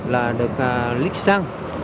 là được lít xăng